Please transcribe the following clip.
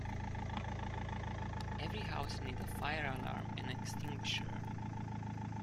Every house needs a fire alarm and extinguisher.